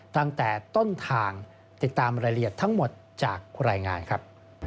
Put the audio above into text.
ตั้งแต่ต้นทางติดตามรายละเอียดทั้งหมดจากรายงานครับ